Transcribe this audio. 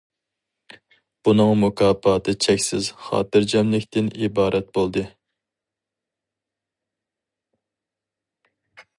بۇنىڭ مۇكاپاتى چەكسىز خاتىرجەملىكتىن ئىبارەت بولدى.